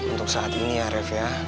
untuk saat ini ya ref ya